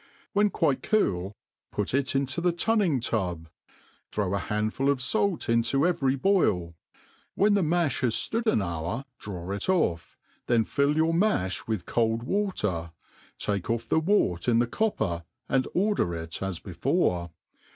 When quite cool, put it infe the tunning tub. Throw a handful of Mt inCoevery^^ boif. When the ma(h has ftood an hour draw it dF, then.filt your mafli with cold water, takeoff the wort in the copper and order it as before.